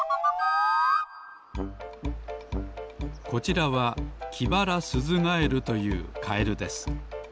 こちらはキバラスズガエルというカエルです。